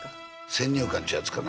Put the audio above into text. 先入観っちゅうやつかな。